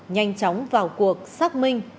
nhanh chóng vào cuộc xác minh